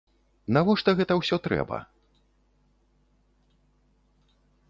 Навошта гэта ўсё трэба?